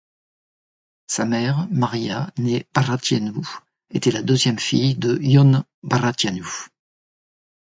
Sa mère, Maria, née Brătianu, était la deuxième fille de Ion Brătianu.